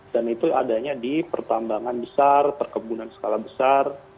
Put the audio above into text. dan itu adanya di pertambangan besar perkebunan skala besar